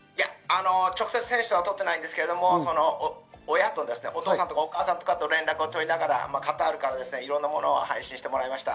直接は取っていないんですけれども、親とお父さん、お母さんとかと連絡を取りながら、カタールからいろんなものを配信してもらいました。